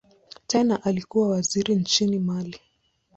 Tena alikuwa waziri nchini Mali.